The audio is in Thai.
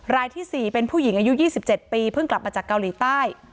รายที่๔เป็นผู้หญิงอายุ๒๗ปีเพิ่งกลับมาจากเกาหลีใต้